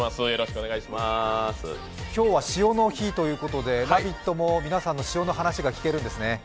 今日は塩の日ということで、「ラヴィット！」も皆さんの塩の話が聞けるんですね。